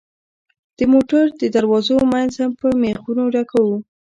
د موټر د دروازو منځ هم په مېخونو ډکوو.